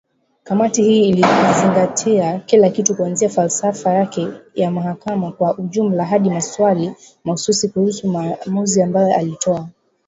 kamati hii ilizingatia kila kitu kuanzia falsafa yake ya mahakama kwa ujumla hadi maswali mahususi kuhusu maamuzi ambayo aliyatoa